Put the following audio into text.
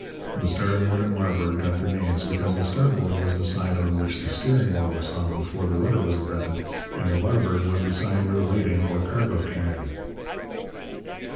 The starboard and larboard got their names because the starboard was the side on which the steering oar was hung before the rudder was invented, and the larboard was the side where the lading or cargo came in.